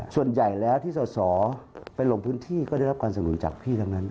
ส่วนใหญ่แล้วที่สอสอไปลงพื้นที่ก็ได้รับการสนุนจากพี่ทั้งนั้น